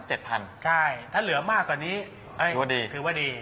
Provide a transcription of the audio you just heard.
ใช่ถ้าเหลือมากกว่านี้ถือว่าดี